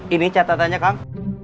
ini catatannya kang